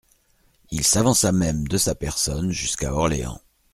Il s'avança même de sa personne jusqu'à Orléans.